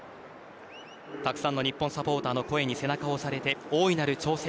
たくさんの日本サポーターの声に背中を押されて大いなる挑戦